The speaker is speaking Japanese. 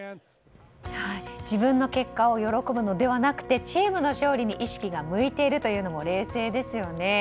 自分の結果を喜ぶのではなくてチームの勝利に意識が向いてるというのも冷静ですよね。